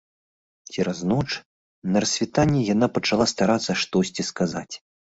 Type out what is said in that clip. Цераз ноч на рассвітанні яна пачала старацца штосьці сказаць.